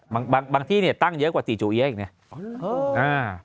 บางบางที่เนี่ยตั้งเยอะกว่าตีจูเอี๊ยอีกเนี่ย